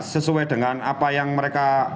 sesuai dengan apa yang mereka